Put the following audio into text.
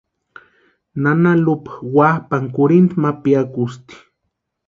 Nana Lupa wapʼani kurhinta ma piakusti.